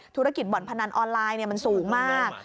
ธุรกิจบ่อนพนันออนไลน์มันสูงมาก